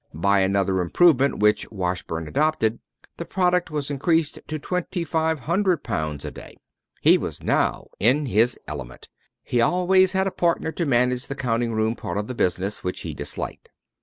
By another improvement which Washburn adopted the product was increased to twenty five hundred pounds a day. He was now in his element. He always had a partner to manage the counting room part of the business, which he disliked.